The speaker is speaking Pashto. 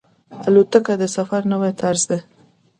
الوتکه د سفر نوی طرز دی.